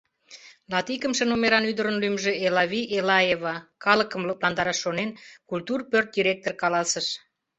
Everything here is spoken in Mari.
— Латикымше номеран ӱдырын лӱмжӧ — Элавий Элаева! — калыкым лыпландараш шонен, культур пӧрт директор каласыш.